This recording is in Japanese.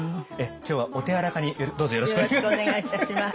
今日はお手柔らかにどうぞよろしくお願いいたします。